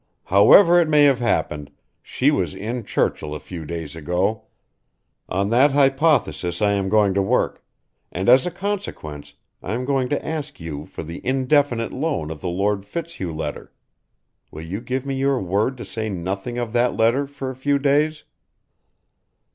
However it may have happened, she was in Churchill a few days ago. On that hypothesis I am going to work, and as a consequence I am going to ask you for the indefinite loan of the Lord Fitzhugh letter. Will you give me your word to say nothing of that letter for a few days?"